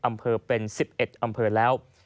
อำเภอเป็น๑๑อำเภอแล้ว